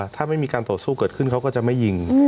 ถ้าไม่มีการต่อสู้เกิดขึ้นเขาก็จะไม่ยิง